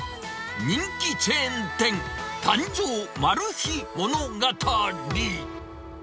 人気チェーン店、誕生マル秘物語。